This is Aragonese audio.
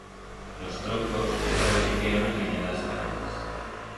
Los troncos, ya los piqueron en anyadas zagueras.